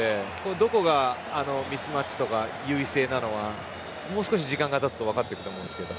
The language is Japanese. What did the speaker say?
どこがミスマッチとか優位性なのかはもう少し時間が経つと分かってくると思うんですけど。